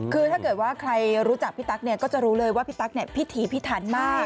คือถ้าเกิดว่าใครรู้จักพี่ตั๊กเนี่ยก็จะรู้เลยว่าพี่ตั๊กพิถีพิถันมาก